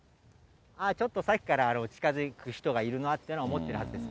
ちょっとさっきから、近づく人がいるなっていうのは、分かってるはずです。